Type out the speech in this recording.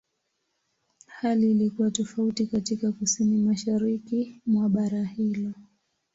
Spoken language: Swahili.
Hali ilikuwa tofauti katika Kusini-Mashariki mwa bara hilo.